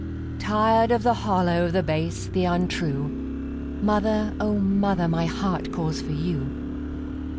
Tired of the hollow, the base, the untrue, Mother, O mother, my heart calls for you!